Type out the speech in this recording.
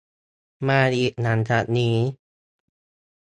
มาอีกหลังจากนี้